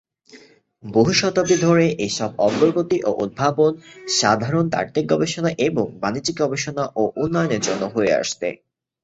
বহু শতাব্দি ধরে এসব অগ্রগতি ও উদ্ভাবন সাধারণত তাত্ত্বিক গবেষণা এবং বাণিজ্যিক গবেষণা ও উন্নয়নের জন্য হয়ে আসছে।